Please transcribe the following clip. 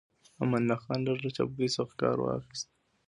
امان الله خان لږ له چابکۍ څخه کار واخيست.